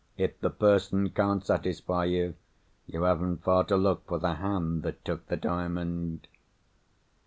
If the person can't satisfy you, you haven't far to look for the hand that took the Diamond."